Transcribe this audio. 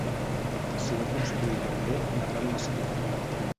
S'hi va construir també una gran mesquita.